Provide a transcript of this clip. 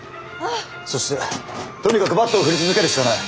そしてとにかくバット振り続けるしかない。